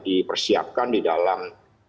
dipersiapkan di dalam